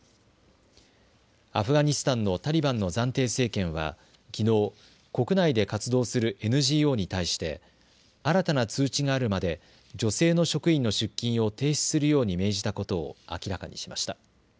アフガニスタンのタリバンの暫定政権はきのう、国内で活動するＮＧＯに対して新たな通知があるまで女性の職員の出勤を停止するように命じたことを明らかにしました。